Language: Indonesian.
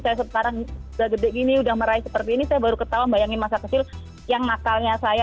saya sekarang sudah gede gini udah meraih seperti ini saya baru ketawa bayangin masa kecil yang nakalnya saya